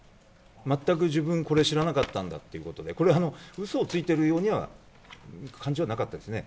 全く自分、これ知らなかったんだということで、これ、うそをついてるようには、感じはなかったですね。